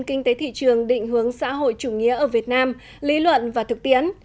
nền kinh tế thị trường định hướng xã hội chủ nghĩa ở việt nam lý luận và thực tiến